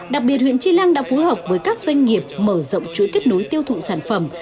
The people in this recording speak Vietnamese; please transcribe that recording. đặc biệt huyện tri lăng đã phối hợp với các doanh nghiệp mở rộng chuỗi kết nối tiêu thụ sản phẩm